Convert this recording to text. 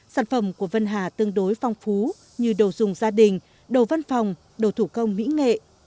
sản phẩm của vân hà tương đối phong phú như đồ dùng gia đình đồ văn phòng đồ thủ công mỹ nghệ